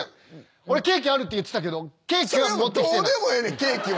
俺ケーキあるって言ってたけどケーキは持ってきてない。